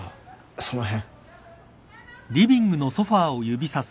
その辺。